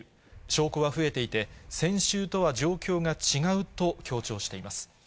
証拠は増えていて、先週とは状況が違うと強調しています。